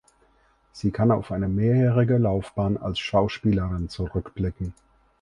Sie kann auf eine mehrjährige Laufbahn als Schauspielerin zurückblicken.